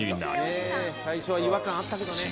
「最初は違和感あったけどね」